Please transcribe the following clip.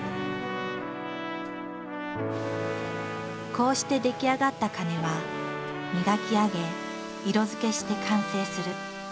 こうして出来上がった鐘は磨き上げ色づけして完成する。